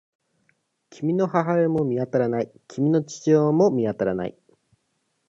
君の母親も見当たらない。君の父親も見当たらない。